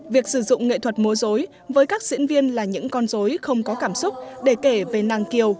việc sử dụng nghệ thuật múa dối với các diễn viên là những con dối không có cảm xúc để kể về nàng kiều